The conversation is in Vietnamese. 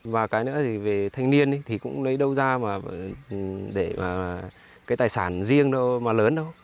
và cái nữa thì về thanh niên thì cũng lấy đâu ra mà để mà cái tài sản riêng đâu mà lớn đâu